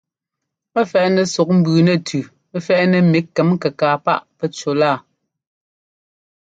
Ɛ fɛ́ꞌnɛ ɛ́suk mbʉʉ nɛtʉʉ fɛ́ꞌnɛ ḿmi kɛm-kɛkaa páꞌ pɛ́ꞌ cúlaa.